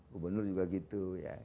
gubernur juga gitu